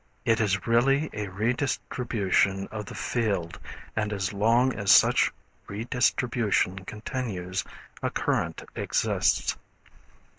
It is really a redistribution of the field and as long as such redistribution continues a current exists.